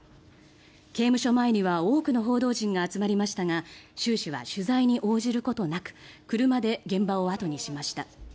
刑務所前には多くの報道陣が集まりましたがシュウ氏は取材に応じることなく車で現場を後にしました。